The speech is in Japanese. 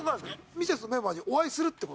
ミセスのメンバーにお会いするって事は？